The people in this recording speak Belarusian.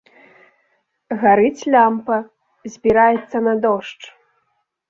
Гарыць лямпа, збіраецца на дождж.